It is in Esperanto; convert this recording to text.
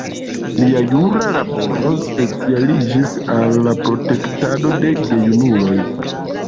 Lia jura laboro specialiĝis al protektado de gejunuloj.